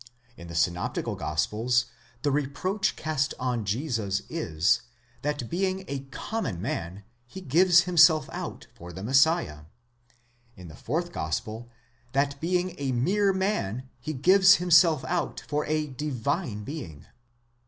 In the synoptical gospels the reproach cast on Jesus is, that being a common man, he gives himself out for the Messiah ; in the fourth gospel, that being a mere man, he gives himself out for a divine being.